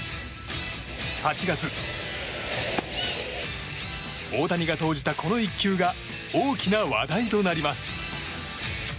８月、大谷が投じたこの１球が大きな話題となります。